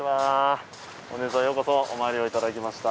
本日は、ようこそお参りをいただきました。